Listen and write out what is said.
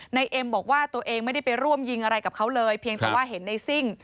เอ็มบอกว่าตัวเองไม่ได้ไปร่วมยิงอะไรกับเขาเลยเพียงแต่ว่าเห็นในซิ่ง